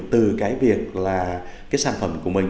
từ cái việc là cái sản phẩm của mình